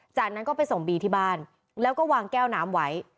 จากนั้นก็ไปส่งบีที่บ้านแล้วก็วางแก้วน้ำไว้